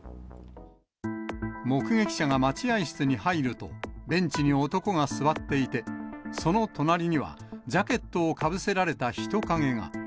目撃者が待合室に入ると、ベンチに男が座っていて、その隣にはジャケットをかぶせられた人影が。